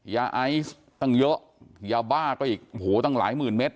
ยาไอซ์ตั้งเยอะยาบ้าก็อีกโอ้โหตั้งหลายหมื่นเมตร